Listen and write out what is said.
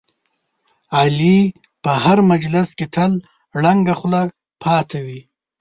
علي په هر مجلس کې تل ړنګه خوله پاتې وي.